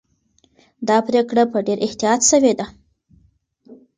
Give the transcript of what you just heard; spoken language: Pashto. دا پرېکړه په ډېر احتیاط سوې ده.